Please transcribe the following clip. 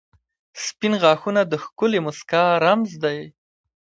• سپین غاښونه د ښکلې مسکا رمز دی.